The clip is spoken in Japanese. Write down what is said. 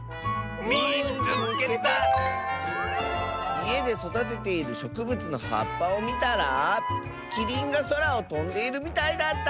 「いえでそだてているしょくぶつのはっぱをみたらキリンがそらをとんでいるみたいだった！」。